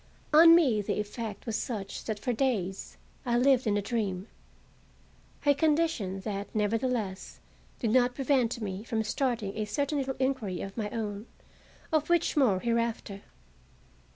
On me the effect was such that for days I lived in a dream, a condition that, nevertheless, did not prevent me from starting a certain little inquiry of my own, of which more hereafter.